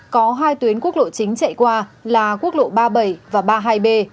có hai tuyến quốc lộ chín chạy qua là quốc lộ ba mươi bảy và ba mươi hai b